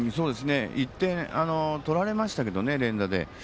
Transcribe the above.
１点、取られましたけどね連打で。